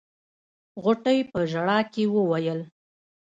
غوټۍ په ژړا کې وويل.